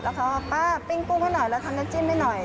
แล้วเขาก็ป้าปิ้งกุ้งให้หน่อยเราทำน้ำจิ้มให้หน่อย